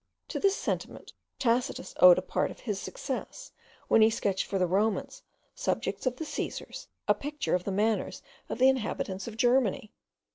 To this sentiment Tacitus owed a part of his success, when he sketched for the Romans, subjects of the Caesars, a picture of the manners of the inhabitants of Germany.